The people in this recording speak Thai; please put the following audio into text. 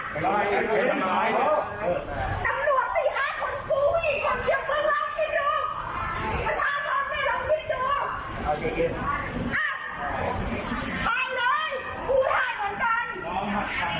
ฟังแหลงฟังแหลงฟังแหลงแล้วคุณฟังไหม